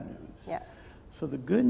dan ada berita buruk